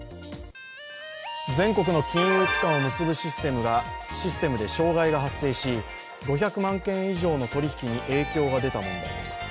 全国の金融機関を結ぶシステムで障害が発生し５００万件以上の取り引きに影響が出た問題です。